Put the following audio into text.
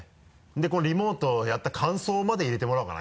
でこのリモートをやった感想まで入れてもらおうかな？